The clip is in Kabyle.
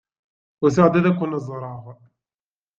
Usiɣ-d ad ken-ẓreɣ.